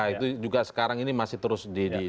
itu juga sekarang ini masih terus